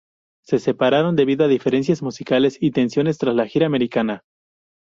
Se separaron, debido a diferencias musicales y tensiones, tras la gira americana.